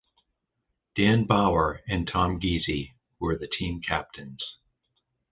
Dan Bauer and Tom Gizzi were the team captains.